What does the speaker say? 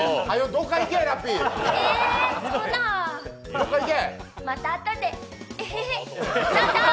どっか行け、ラッピー。